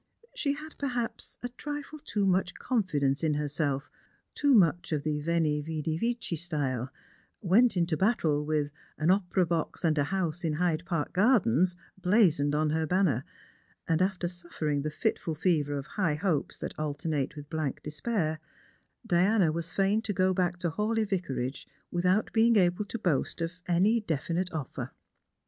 She had perhaps a trifle too much confidence in herself; too much of the veni, vidi, vici style; went into battle with "An opera box and a house in Hyde park gardens " blazoned on her banner ; and after suf fering the fitful fever of high hopes that alternate with blank despair, Diana was fain to go back to Hawleigh Yicarage with out being able to boast of any definite offer.